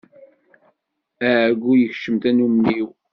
Ɛeggu yekcem tannumi-w.